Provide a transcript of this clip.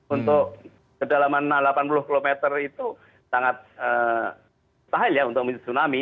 untuk kedalaman delapan puluh km itu sangat tahil ya untuk tsunami